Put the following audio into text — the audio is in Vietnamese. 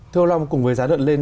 thưa ông long cùng với giá lợn lên